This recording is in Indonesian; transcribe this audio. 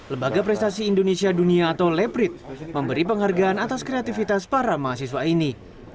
lebaga prestasi indonesia dunia atau leprit memberi penghargaan atas kreativitas para mahasiswa ini